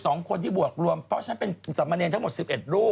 ทั้ง๑๒คนที่บวกรวมเพราะฉะนั้นเป็นคุณสัมมาเนียนทั้งหมด๑๑รูป